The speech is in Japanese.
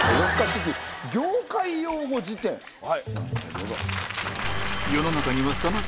どうぞ。